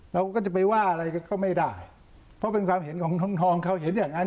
เราก็จะไปว่าอะไรก็ไม่ได้เพราะเป็นความเห็นของทองเขาเห็นอย่างนั้น